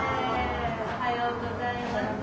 おはようございます。